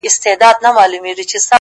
ورباندي پايمه په دوو سترگو په څو رنگه”